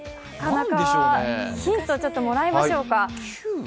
ヒントをもらいましょうか。